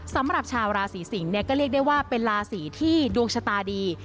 สำหรับชาวราศีสิงศ์เนี่ยก็เรียกได้ว่าเป็นราศีที่ดวงชะตาดี